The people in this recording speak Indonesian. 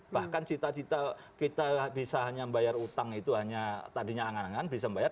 bahkan cita cita kita bisa hanya membayar utang itu hanya tadinya angan angan bisa membayar